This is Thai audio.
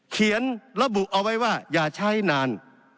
เขียนระบุเอาไว้ว่าอย่าใช้นาน